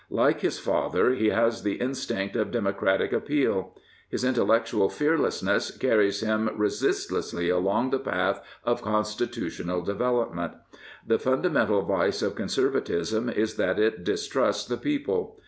Like his father, he has the instinct of democratic appeal. His intellectual fearlessness carries him resistlessly along the path of constitutional development. The funda mental vice of Conservatism is that it distrusts the people.